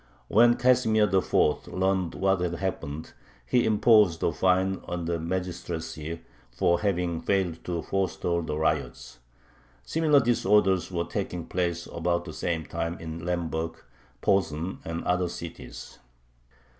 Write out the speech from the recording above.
When Casimir IV. learned what had happened, he imposed a fine on the magistracy for having failed to forestall the riots. Similar disorders were taking place about the same time in Lemberg, Posen, and other cities.